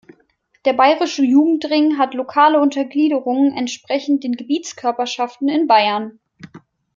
Der Bayerische Jugendring hat lokale Untergliederungen entsprechend den Gebietskörperschaften in Bayern.